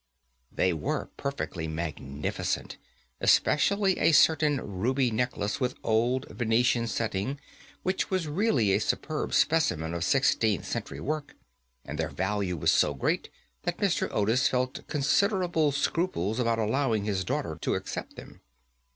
They were perfectly magnificent, especially a certain ruby necklace with old Venetian setting, which was really a superb specimen of sixteenth century work, and their value was so great that Mr. Otis felt considerable scruples about allowing his daughter to accept them.